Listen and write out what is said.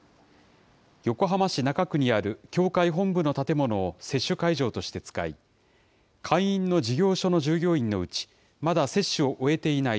横浜市中区にある協会本部の建物を接種会場として使い、会員の事業所の従業員のうち、まだ接種を終えていない